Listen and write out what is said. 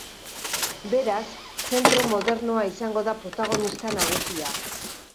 Beraz, zentro modernoa izango da protagonista nagusia.